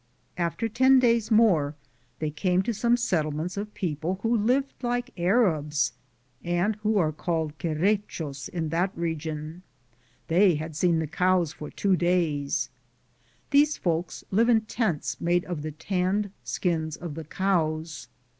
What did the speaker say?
After ten days more they came to some settlements of people who lived like Arabs and who are called Querechos in that region. They had seen the cows for two days. These folks live in tents made of the tanned skins of the cows.